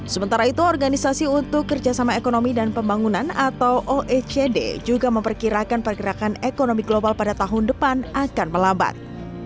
sementara itu organisasi untuk kerjasama ekonomi dan pembangunan atau oecd juga memperkirakan pergerakan ekonomi global pada tahun depan akan melambat